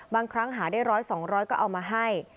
บางครั้งหาได้ร้อยสองร้อยก็เอามาให้